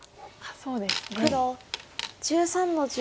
そうですね。